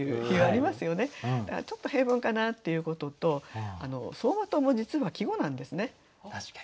ちょっと平凡かなということと「走馬灯」も実は季語なんですね。